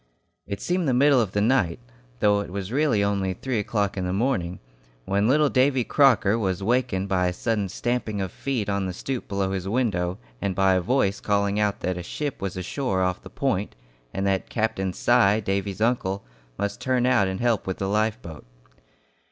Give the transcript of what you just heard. It seemed the middle of the night, though it was really only three o'clock in the morning, when little Davy Crocker was wakened by a sudden stamping of feet on the stoop below his window, and by a voice calling out that a ship was ashore off the Point, and that Captain Si, Davy's uncle, must turn out and help with the life boat.